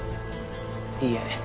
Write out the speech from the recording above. いいえ。